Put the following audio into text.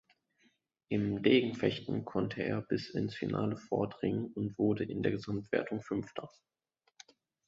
Im Degenfechten konnte er bis ins Finale vordringen und wurde in der Gesamtwertung Fünfter.